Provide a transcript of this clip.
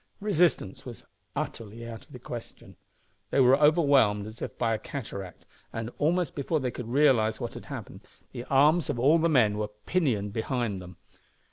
Resistance was utterly out of the question. They were overwhelmed as if by a cataract and, almost before they could realise what had happened, the arms of all the men were pinioned behind them.